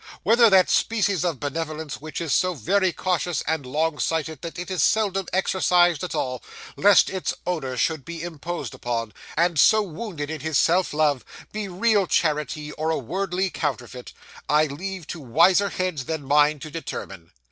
Whether that species of benevolence which is so very cautious and long sighted that it is seldom exercised at all, lest its owner should be imposed upon, and so wounded in his self love, be real charity or a worldly counterfeit, I leave to wiser heads than mine to determine.